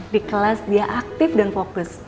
di kelas dia aktif dan fokus